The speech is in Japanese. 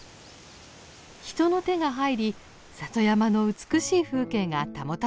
人の手が入り里山の美しい風景が保たれているのです。